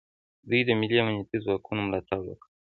دوی د ملي امنیتي ځواکونو ملاتړ وکړ